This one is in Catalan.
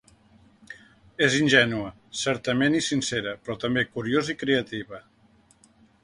És ingènua, certament i sincera, però també curiosa i creativa.